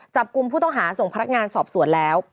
จับกลุ่มผู้ต้องหาส่งพนักงานสอบสวนแล้ว